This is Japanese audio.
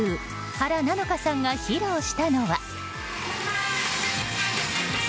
原菜乃華さんが披露したのは。